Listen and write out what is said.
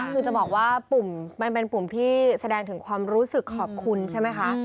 คือจะบอกว่าปุ่มมันเป็นปุ่มที่แสดงถึงความรู้สึกขอบคุณใช่ไหมคะ